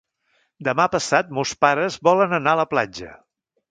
Demà passat mons pares volen anar a la platja.